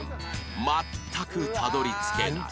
全くたどり着けない